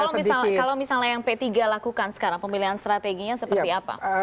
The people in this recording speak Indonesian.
kalau misalnya yang p tiga lakukan sekarang pemilihan strateginya seperti apa